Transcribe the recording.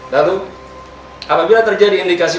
lalu apabila terjadi indikasi